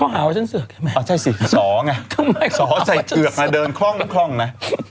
เขาหาว่าฉันเสือกไงแม่อ่ะใช่สิสอไงสอใส่เกือกมาเดินคล่องนะ